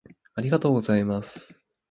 ありがとうございます。